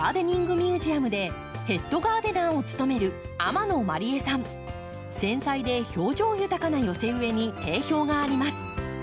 ミュージアムでヘッドガーデナーを務める繊細で表情豊かな寄せ植えに定評があります。